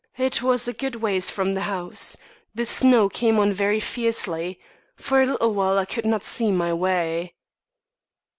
It was a good ways from the house. The snow came on very fiercely. For a little while I could not see my way."